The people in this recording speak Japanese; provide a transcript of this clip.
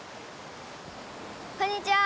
こんにちは。